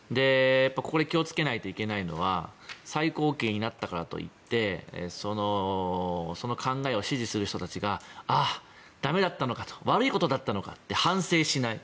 これ気をつけないといけないのは最高刑になったからといってその考えを支持する人たちが駄目だったのかと悪いことだったのかと反省しない。